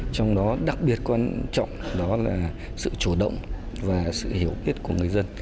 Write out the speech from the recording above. trong đó đặc biệt quan trọng đó là sự chủ động và sự hiểu biết của người dân